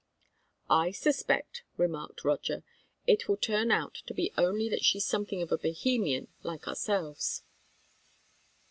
"I suspect," remarked Roger, "it will turn out to be only that she's something of a Bohemian, like ourselves."